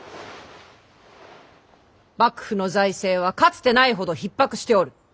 幕府の財政はかつてないほどひっ迫しておる。